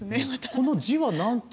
この字は何て？